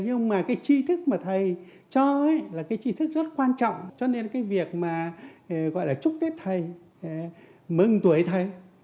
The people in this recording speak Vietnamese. nhưng mà cái chi thức mà thầy cho là cái chi thức rất quan trọng cho nên cái việc mà gọi là chúc tết thầy mừng tuổi thầy